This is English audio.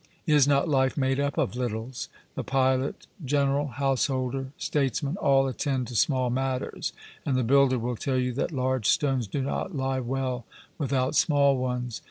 Is not life made up of littles? the pilot, general, householder, statesman, all attend to small matters; and the builder will tell you that large stones do not lie well without small ones.